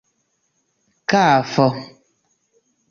kafo